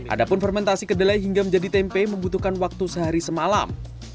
adapun fermentasi kedelai hingga menjadi tempe membutuhkan waktu sehari semalam